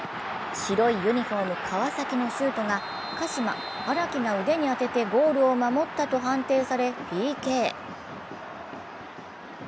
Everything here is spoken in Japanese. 白いユニフォーム・川崎のシュートが鹿島・荒木が腕に当ててゴールを守ったと判定されＰＫ。